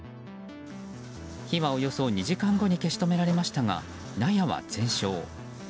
火はおよそ２時間後に消し止められましたが納屋は全焼。